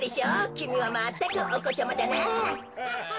きみはまったくおこちゃまだなあ。